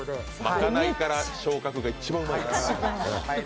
まかないから昇格が一番うまいよね。